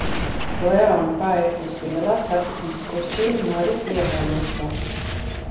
Leona Paegles ielā satiksmes kustība norit vienā joslā.